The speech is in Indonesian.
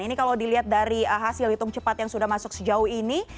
ini kalau dilihat dari hasil hitung cepat yang sudah masuk sejauh ini